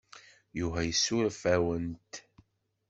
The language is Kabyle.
Yuba yessuref-awent.